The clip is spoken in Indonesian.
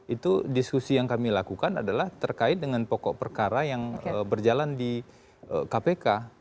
itu diskusi yang kami lakukan adalah terkait dengan pokok perkara yang berjalan di kpk